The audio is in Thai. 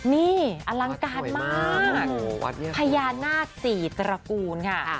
นี่อลังการมากพญานาคสี่ตระกูลค่ะ